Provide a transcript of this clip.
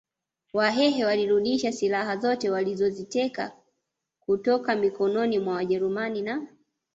Wahehe walirudisha silaha zote walizoziteka kutoka mikononi mwa wajerumani na